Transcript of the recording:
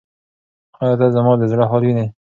ایا ته زما د زړه حال وینې؟